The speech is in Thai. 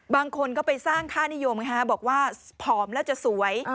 บางคนก็ไปสร้างค่านิยมบอกว่าผอมแล้วจะสวย